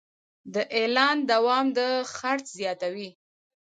د اعلان دوام د خرڅ زیاتوي.